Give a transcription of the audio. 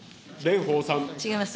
違います。